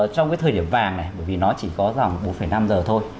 trong cái thời điểm vàng này bởi vì nó chỉ có dòng bốn năm giờ thôi